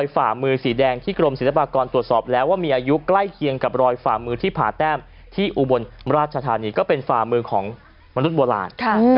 ฝามือที่ผาแต้มที่อุบลราชธานีก็เป็นฝามือของมนุษย์โบราณ